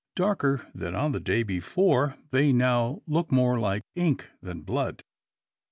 Darker than on the day before, they now look more like ink than blood!